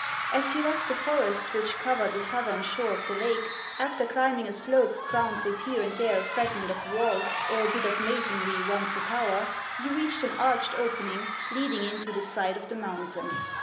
As you left the forest which covered the southern shore of the lake, after climbing a slope crowned with here and there a fragment of wall or a bit of masonry once a tower, you reached an arched opening leading into the side of the mountain.